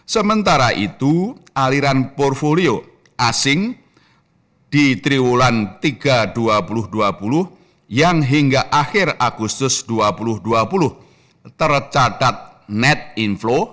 sementara itu aliran portfolio asing di triwulan tiga dua ribu dua puluh yang hingga akhir agustus dua ribu dua puluh tercatat net inflow